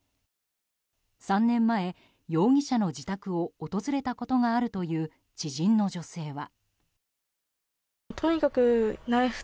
３年前、容疑者の自宅を訪れたことがあるという知人の女性は。